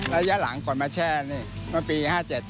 ระยะหลังก่อนมาแช่นี่เมื่อปี๕๗